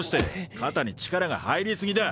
肩に力が入り過ぎだ。